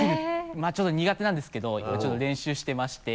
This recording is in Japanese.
まぁちょっと苦手なんですけど今ちょっと練習してまして。